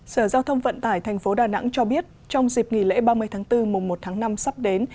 sở giao thông vận tải tp đà nẵng cho biết trong dịp nghỉ lễ ba mươi tháng bốn mùng một tháng năm sắp đến